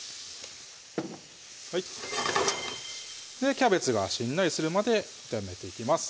キャベツがしんなりするまで炒めていきます